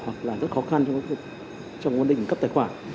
hoặc là rất khó khăn trong quan tâm cấp tài khoản